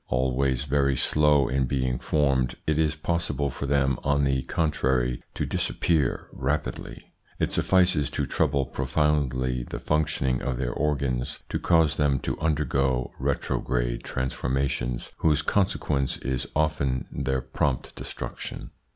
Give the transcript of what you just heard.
Always very slow in being ormed, it is possible for them on the contrary to dis appear rapidly. It suffices to trouble profoundly the functioning of their organs to cause them to under ITS INFLUENCE ON THEIR EVOLUTION 235 go retrograde transformations whose consequence is often their prompt destruction.